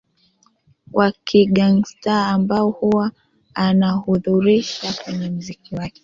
wa Kigangstaa ambao huwa anaudhihirsha kwenye muziki wake